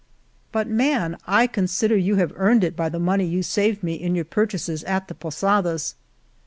'*" But, man, I consider you have earned it by the money you saved me in your pur chases at the posadas."